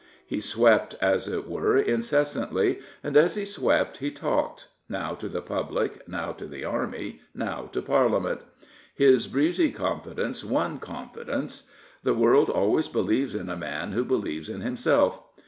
He swept, as it were, incessantly, and as he swept he talked, now to the public, now to the Army, now to Parliament. His breezy confidence won confidence, irbe world always believes in a man who believes in himself.